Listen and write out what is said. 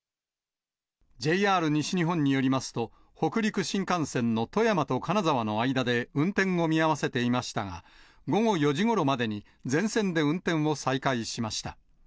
ＪＲ西日本によりますと、北陸新幹線の富山と金沢の間で運転を見合わせていましたが、午後４時ごろまでに全線で運転を再開しました。